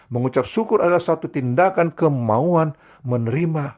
mengucap syukur adalah satu tindakan kemauan menerima